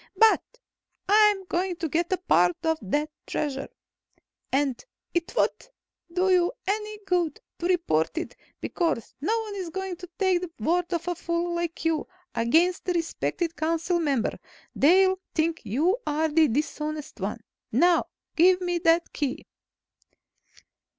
"But I'm going to get part of that Treasure. And it won't do you any good to report it, because no one is going to take the word of a fool like you, against a respected council member. They'll think you are the dishonest one. Now, give me that Key!"